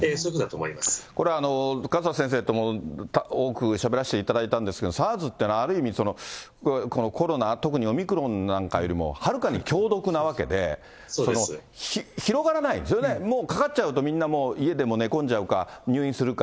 これあの、勝田先生とも、多くしゃべらせていただいたんですけれども、ＳＡＲＳっていうのはある意味、コロナ、特にオミクロンなんかよりも、はるかに強毒なわけで、広がらないんですよね、もうかかっちゃうとみんな、家でも寝込んじゃうか入院するか。